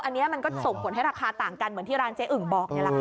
อันนี้มันก็ส่งผลให้ราคาต่างกันเหมือนที่ร้านเจ๊อึ่งบอกนี่แหละค่ะ